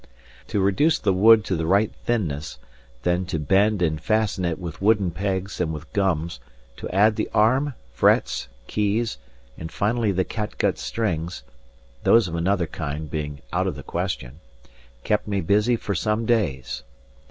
To reduce the wood to the right thinness, then to bend and fasten it with wooden pegs and with gums, to add the arm, frets, keys, and finally the catgut strings those of another kind being out of the question kept me busy for some days.